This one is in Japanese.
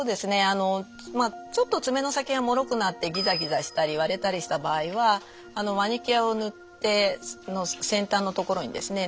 あのちょっと爪の先がもろくなってギザギザしたり割れたりした場合はマニキュアを塗って先端の所にですね